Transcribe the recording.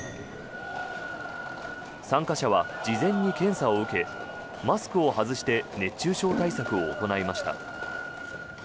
参加者は事前に検査を受けマスクを外して熱中症対策を行いました。